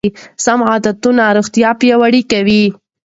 سم عادتونه روغتیا پیاوړې کوي.